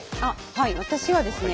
はい私はですね